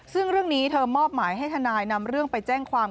ซึ่งเรื่องนี้เธอมอบหมายให้ทนายนำเรื่องไปแจ้งความ